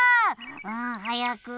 うんはやく。